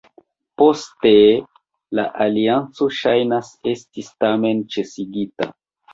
Poste, la alianco ŝajnas estis tamen ĉesigita.